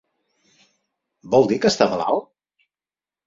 Vol dir que està malalt?